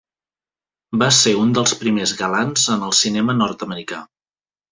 Va ser un dels primers galants en el cinema nord-americà.